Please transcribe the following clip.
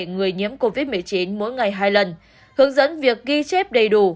người nhiễm covid một mươi chín mỗi ngày hai lần hướng dẫn việc ghi chép đầy đủ